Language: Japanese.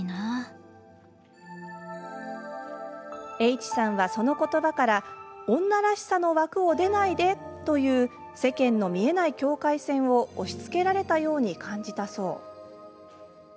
Ｈさんは、そのことばから女らしさの枠を出ないでという世間の見えない境界線を押しつけられたように感じたそう。